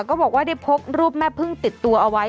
ก็บอกว่าได้พกรูปแม่พึ่งติดตัวเอาไว้